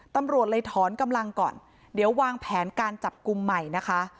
ตำรวจเลยถอนกำลังก่อนเดี๋ยววางแผนการจับกลุ่มใหม่นะคะ